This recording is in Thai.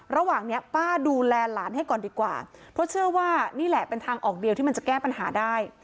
ระหว่างนี้ป้าดูแลหลานให้ก่อนดีกว่าเพราะเชื่อว่านี่แหละเป็นทางออกเดียวที่มันจะแก้ปัญหาได้